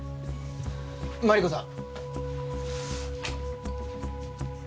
マリコさん。